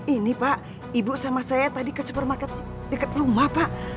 ini pak ibu sama saya tadi ke supermarket dekat rumah pak